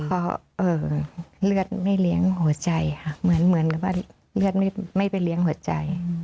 เพราะเลือดไม่เลี้ยงหัวใจค่ะเหมือนกับว่าเลือดไม่ไปเลี้ยงหัวใจ